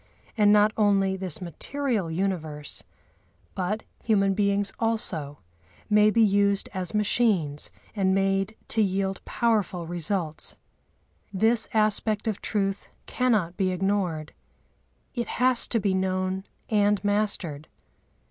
And not only this material universe, but human beings also, may be used as machines and made to yield powerful results. This aspect of truth cannot be ignored; it has to be known and mastered.